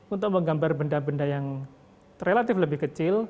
untuk menggambar benda benda yang relatif lebih kecil